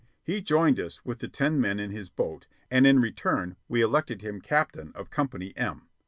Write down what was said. He joined us with the ten men in his boat, and in return we elected him captain of Company M.